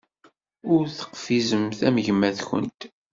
Ur teqfizemt am gma-twent.